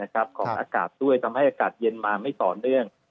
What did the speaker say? ของอากาศด้วยทำให้อากาศเย็นมาไม่ต่อเนื่อง